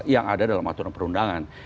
yang ada dalam aturan perundangan